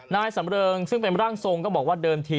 นายสำเริงซึ่งเป็นร่างทรงก็บอกว่าเดิมที